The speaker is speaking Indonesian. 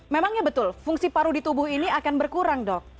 memangnya betul fungsi paru di tubuh ini akan berkurang dok